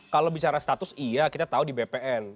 kalau bicara status iya kita tahu di bpn